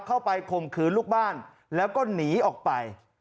ข่มขืนลูกบ้านแล้วก็หนีออกไป